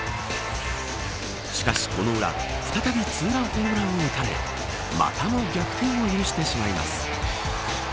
しかしこの裏再びツーランホームランを打たれまたも逆転を許してしまいます。